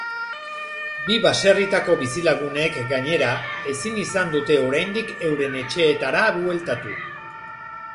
Bi baserritako bizilagunek, gainera, ezin izan dute oraindik euren etxeetara bueltatu.